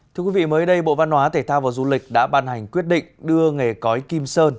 thưa quý vị mới đây bộ văn hóa thể thao và du lịch đã ban hành quyết định đưa nghề cói kim sơn